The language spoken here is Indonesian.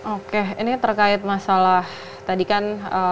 oke ini terkait masalah tadi kan